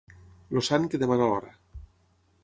El sant que demana l'hora.